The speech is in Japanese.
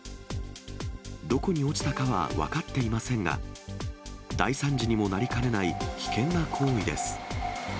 どこに落ちたかは分かっていませんが、大惨事にもなりかねない危険な行為です。